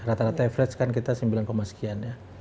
rata rata average kan kita sembilan sekian ya